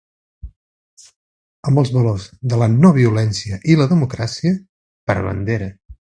Amb els valors de la no violència i la democràcia per bandera.